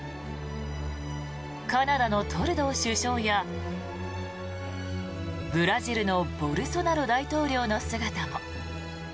カナダのトルドー首相やブラジルのボルソナロ大統領の姿も。